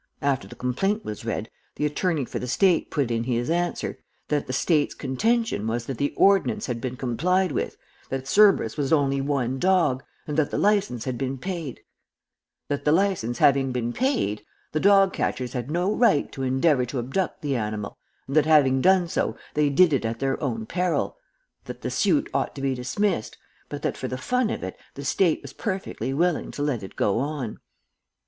After the complaint was read, the attorney for the State put in his answer, that the State's contention was that the ordinance had been complied with, that Cerberus was only one dog, and that the license had been paid; that the license having been paid, the dog catchers had no right to endeavor to abduct the animal, and that having done so they did it at their own peril; that the suit ought to be dismissed, but that for the fun of it the State was perfectly willing to let it go on.